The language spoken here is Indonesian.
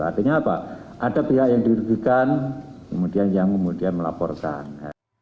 artinya apa ada pihak yang dirugikan kemudian yang kemudian melaporkan